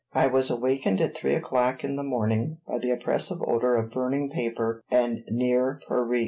I was awakened at three o'clock in the morning by the oppressive odor of burning paper and near perique.